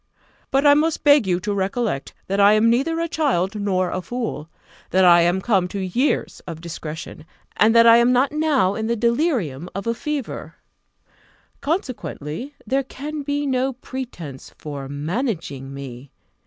But I must beg you to recollect, that I am neither a child nor a fool; that I am come to years of discretion, and that I am not now in the delirium of a fever; consequently, there can be no pretence for managing me.